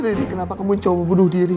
riri kenapa kamu mencoba bunuh diri riri